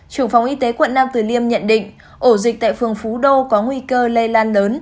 trưởng phòng y tế quận nam từ liêm nhận định ổ dịch tại phường phú đô có nguy cơ lây lan lớn